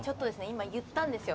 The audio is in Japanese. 今言ったんですよ。